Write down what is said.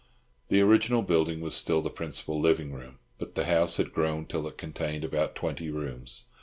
The original building was still the principal living room, but the house had grown till it contained about twenty rooms.